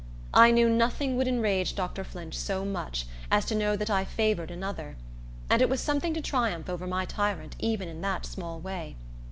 I knew nothing would enrage Dr. Flint so much as to know that I favored another, and it was something to triumph over my tyrant even in that small way.